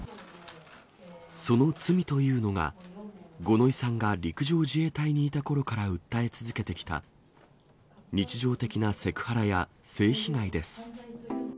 その罪というのが、五ノ井さんが陸上自衛隊にいたころから訴え続けてきた、日常的なセクハラや性被害です。